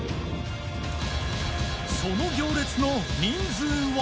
その行列の人数は？